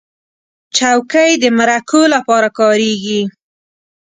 چوکۍ د مرکو لپاره کارېږي.